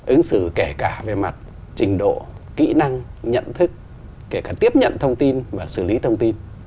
ứng xử kể cả về mặt trình độ kỹ năng nhận thức kể cả tiếp nhận thông tin và xử lý thông tin